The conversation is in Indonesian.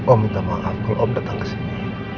oh minta maaf kalau om datang ke sini